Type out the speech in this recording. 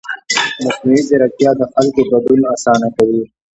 مصنوعي ځیرکتیا د خلکو ګډون اسانه کوي.